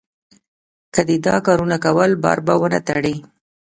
که دې دا کارونه کول؛ بار به و نه تړې.